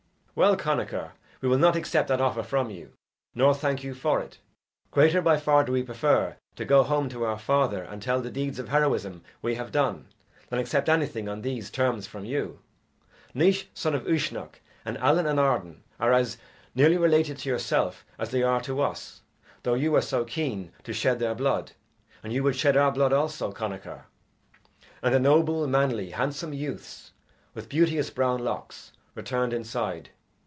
"Well, Connachar, we will not accept that offer from you, nor thank you for it. Greater by far do we prefer to go home to our father and tell the deeds of heroism we have done, than accept anything on these terms from you. Naois, son of Uisnech, and Allen and Arden are as nearly related to yourself as they are to us, though you are so keen to shed their blood, and you would shed our blood also, Connachar." And the noble, manly, handsome youths, with beauteous brown locks, returned inside.